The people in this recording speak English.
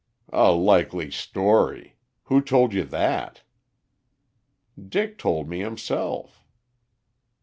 "A likely story! Who told you that?" "Dick told me himself."